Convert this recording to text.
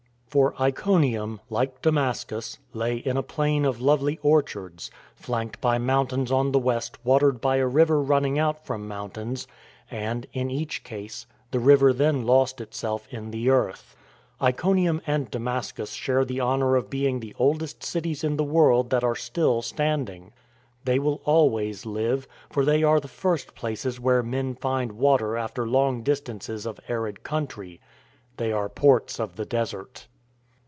For Iconium, like Damascus, lay in a plain of lovely orchards, flanked by mountains on the west watered by a river running out from mountains, and, in each case, the river then lost itself in the earth. Iconium and Damascus share the honour of being the oldest cities in the world that are still standing. They will always live, for they are the first places where men find water after long distances of arid country; — they are ports of the desert.